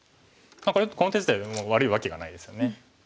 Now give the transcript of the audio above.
この手自体は悪いわけがないですよね。